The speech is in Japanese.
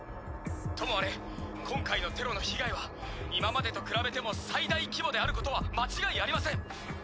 ともあれ今回のテロの被害は今までと比べても最大規模であることは間違いありません。